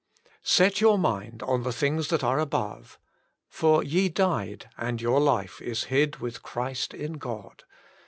" Set your mind on the things that are above, ... for ye died and your life is hid with Christ in God."